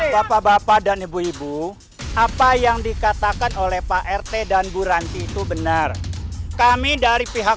bapak bapak dan ibu ibu apa yang dikatakan oleh pak rt dan bu ranti itu benar kami dari pihak